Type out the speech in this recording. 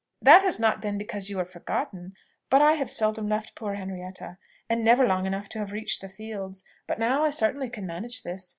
"That has not been because you were forgotten; but I have seldom left poor Henrietta, and never long enough to have reached the fields. But now I certainly can manage this.